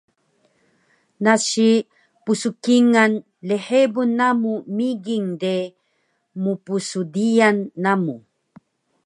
nasi pskingal lhebun namu migin de, mpsdiyal namu